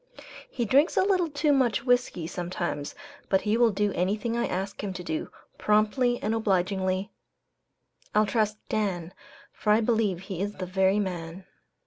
"He drinks a little too much whiskey sometimes, but he will do anything I ask him to do, promptly and obligingly. I'll trust Dan, for I believe he is the very man."